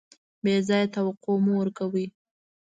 بې ځایه توقع مه ورکوئ.